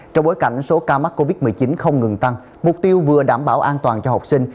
trong bối cảnh số ca mắc covid một mươi chín không ngừng tăng mục tiêu vừa đảm bảo an toàn cho học sinh